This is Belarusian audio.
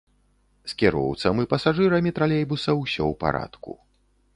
З кіроўцам і пасажырамі тралейбуса ўсё ў парадку.